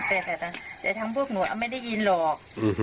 ก็รู้แล้วก็ว่าอย่างนี้แต่ทั้งพวกหนัวไม่ได้ยินหรอก